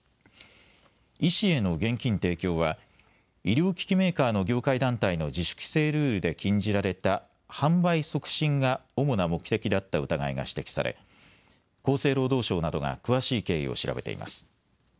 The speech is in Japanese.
医師への現金提供は医療機器メーカーの業界団体の自主規制ルールで禁じられた販売促進が主な目的だった疑いが指摘され厚生労働省などが詳しい経緯を調べています。